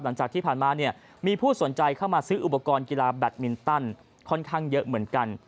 หลังจากที่ผ่านมาเนี่ยมีผู้สนใจเข้ามาซื้ออุปกรณ์กีฬาแบตมินตันค่อนข้างเยอะเหมือนกัน